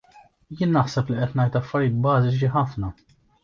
Jien naħseb li qed ngħid affarijiet bażiċi ħafna.